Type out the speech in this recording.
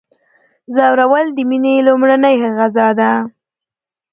ځورول د میني لومړنۍ غذا ده.